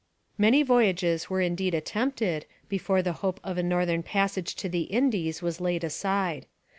Many voyages were indeed attempted before the hope of a northern passage to the Indies was laid aside.